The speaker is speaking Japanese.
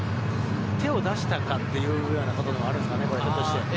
手を出したか？というようなこともあるんですかね？